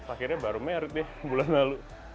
akhirnya baru married deh bulan lalu